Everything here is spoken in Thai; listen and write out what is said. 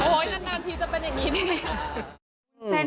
โอ้ยนานทีจะเป็นอย่างนี้ดิ